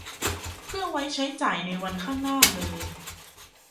เพื่อไว้ใช้จ่ายในวันข้างหน้าเลย